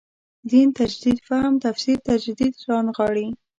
دین تجدید فهم تفسیر تجدید رانغاړي.